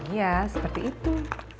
iya seperti itu